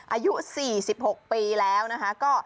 อายุ๔๖ปีแล้วนะคะ